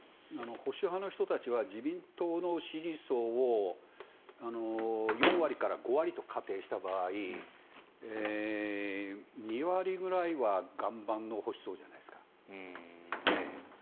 保守派の人たちは自民党の支持層を４割から５割と仮定した場合２割ぐらいは岩盤の保守層じゃないですか。